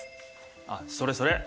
あっそれそれ。